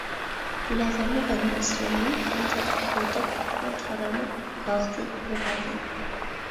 Լեղամուղ են մասրենին, կանթեղախոտը, անթառամը, գաղձը և այլն։